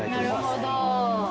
なるほど。